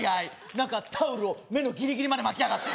なんかタオルを目のギリギリまで巻きやがって。